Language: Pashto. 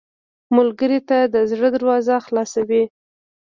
ملګری ته د زړه دروازه خلاصه وي